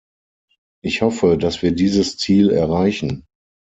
Ich hoffe, dass wir dieses Ziel erreichen.